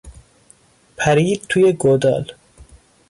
پرید توی گودال.